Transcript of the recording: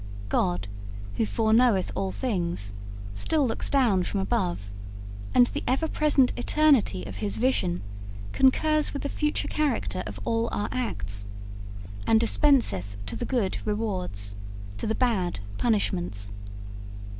God, who foreknoweth all things, still looks down from above, and the ever present eternity of His vision concurs with the future character of all our acts, and dispenseth to the good rewards, to the bad punishments.